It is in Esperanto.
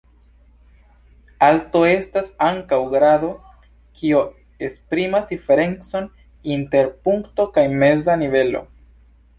Alto estas ankaŭ grando, kio esprimas diferencon inter punkto kaj meza nivelo.